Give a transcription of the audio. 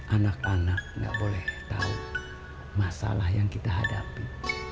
anak anak tidak boleh tahu masalah yang kita hadapi